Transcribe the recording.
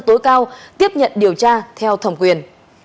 tối cao tiếp nhận điều tra theo thẩm quyền